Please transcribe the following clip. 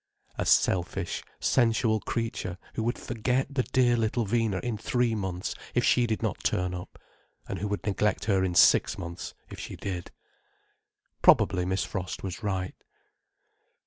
A selfish, sensual creature, who would forget the dear little Vina in three months, if she did not turn up, and who would neglect her in six months, if she did. Probably Miss Frost was right.